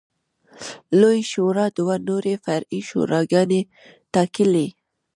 لویې شورا دوه نورې فرعي شوراګانې ټاکلې.